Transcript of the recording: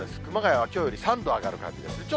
熊谷はきょうより３度上がる感じです。